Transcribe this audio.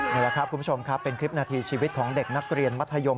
คุณผู้ชมครับเป็นคลิปหน้าทีชีวิตของเด็กนักเรียนมัธยม